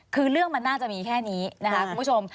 คือเรื่องมันน่าจะมีแค่นี้นะคะคุณผู้ชม